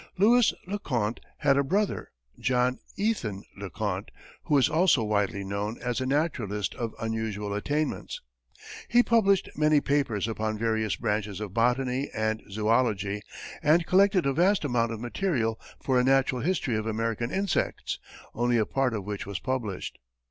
Lewis Le Conte had a brother, John Eathan Le Conte, who was also widely known as a naturalist of unusual attainments. He published many papers upon various branches of botany and zoology, and collected a vast amount of material for a natural history of American insects, only a part of which was published.